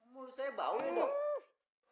mau saya bauin dok